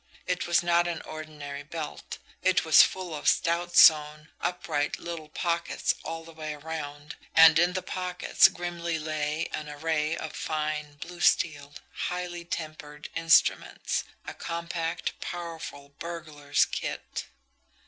It was not an ordinary belt; it was full of stout sewn, up right little pockets all the way around, and in the pockets grimly lay an array of fine, blued steel, highly tempered instruments a compact, powerful burglar's kit.